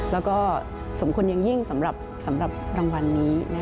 แล้วก็สมควรอย่างยิ่งสำหรับรางวัลนี้